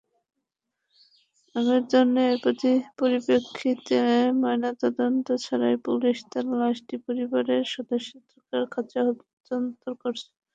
আবেদনের পরিপ্রেক্ষিতে ময়নাতদন্ত ছাড়াই পুলিশ তাঁর লাশটি পরিবারের সদস্যদের কাছে হস্তান্তর করেছে।